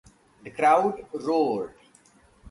The crowd roared.